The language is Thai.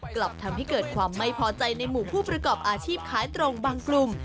กลับทำให้เกิดความไม่พอใจในหมู่ผู้ประกอบอาชีพขายตรงบางกลุ่ม